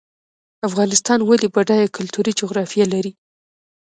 افغانستان ولې بډایه کلتوري جغرافیه لري؟